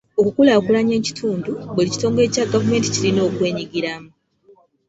Okukulaakulanya ekitundu, buli kitongole kya gavumenti kirina okwenyigiramu.